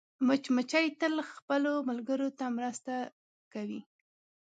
مچمچۍ تل خپلو ملګرو ته مرسته کوي